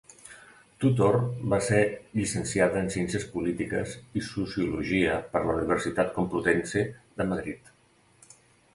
Tutor va ser Llicenciada en Ciències Polítiques i Sociologia per la Universitat Complutense de Madrid.